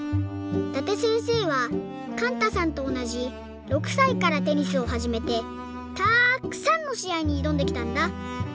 伊達せんせいはかんたさんとおなじ６さいからテニスをはじめてたっくさんのしあいにいどんできたんだ。